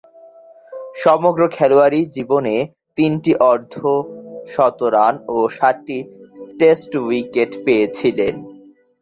সমগ্র খেলোয়াড়ী জীবনে তিনটি অর্ধ-শতরান ও সাতটি টেস্ট উইকেট পেয়েছিলেন।